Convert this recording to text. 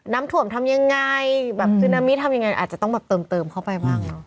น้ำถ่วมทำอย่างไรซึนามิทำอย่างไรอาจจะต้องเติมเข้าไปบ้าง